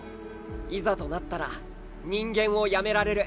いざとなったら人間をやめられる。